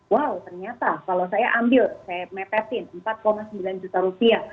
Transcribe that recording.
wow ternyata kalau saya ambil saya mepetin empat sembilan juta rupiah